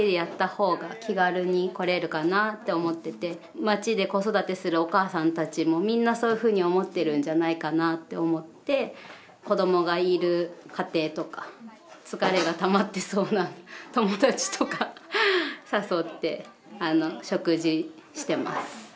町で子育てするお母さんたちもみんなそういうふうに思ってるんじゃないかなって思って子どもがいる家庭とか疲れがたまってそうな友達とか誘って食事してます。